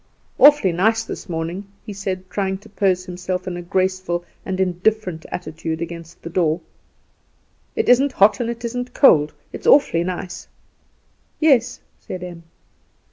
"Awfully nice morning this," he said, trying to pose himself in a graceful and indifferent attitude against the door. "It isn't hot and it isn't cold. It's awfully nice." "Yes," said Em.